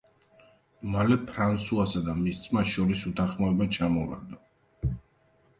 მალე ფრანსუასა და მის ძმას შორის უთანხმოება ჩამოვარდა.